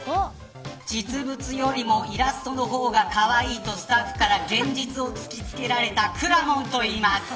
実物よりもイラストの方がかわいいとスタッフから現実を突きつけられたくらもんといいます。